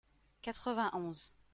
quatre-vingt onze.